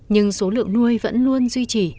nhưng số lượng nuôi vẫn luôn duy trì